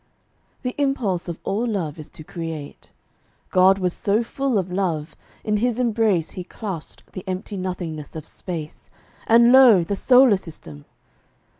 The impulse of all love is to create. God was so full of love, in his embrace He clasped the empty nothingness of space, And low! the solar system!